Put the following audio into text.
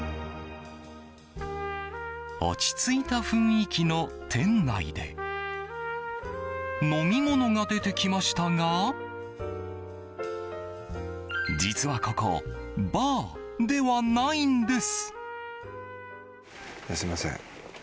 落ち着いた雰囲気の店内で飲み物が出てきましたが実はここバーではないんです。